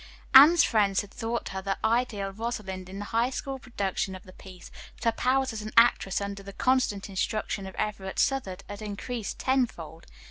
Anne's friends had thought her the ideal "Rosalind" in the High School production of the piece, but her powers as an actress under the constant instruction of Everett Southard had increased tenfold.